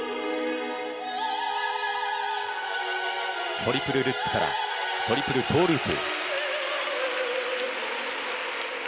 トリプルルッツからトリプルトーループ。